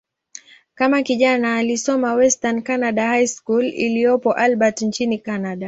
Kama kijana, alisoma "Western Canada High School" iliyopo Albert, nchini Kanada.